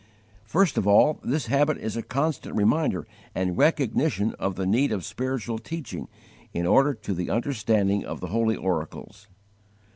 First of all, this habit is a constant reminder and recognition of the need of spiritual teaching in order to the understanding of the holy Oracles.